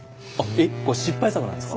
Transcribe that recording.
えっこれ失敗作なんですか？